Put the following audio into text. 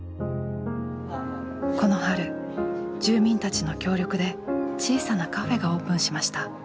この春住民たちの協力で小さなカフェがオープンしました。